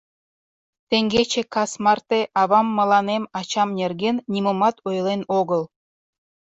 Теҥгече кас марте авам мыланем ачам нерген нимомат ойлен огыл.